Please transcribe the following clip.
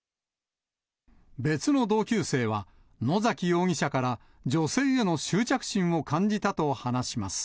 別の同級生は、野崎容疑者から、女性への執着心を感じたと話します。